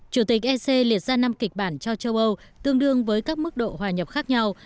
chủ tịch ec liệt ra năm kịch bản cho châu âu tương đương với các mức độ hòa nhập khác nhau